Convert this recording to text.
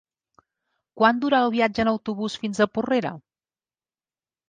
Quant dura el viatge en autobús fins a Porrera?